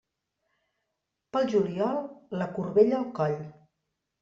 Pel juliol, la corbella al coll.